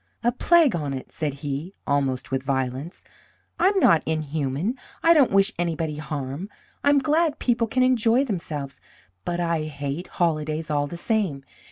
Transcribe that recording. "A plague on it!" said he, almost with violence. "I'm not inhuman. I don't wish anybody harm. I'm glad people can enjoy themselves. But I hate holidays all the same.